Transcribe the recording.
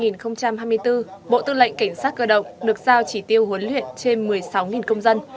năm hai nghìn hai mươi bốn bộ tư lệnh cảnh sát cơ động được giao chỉ tiêu huấn luyện trên một mươi sáu công dân